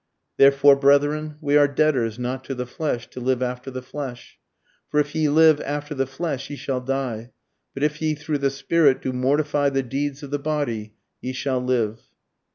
"Therefore, brethren, we are debtors, not to the flesh, to live after the flesh. "For if ye live after the flesh, ye shall die: but if ye through the Spirit do mortify the deeds of the body, ye shall live."